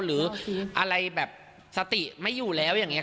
หรืออะไรแบบสติไม่อยู่แล้วอย่างนี้